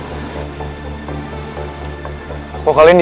gue mau kembali ke tempat yang lebih baik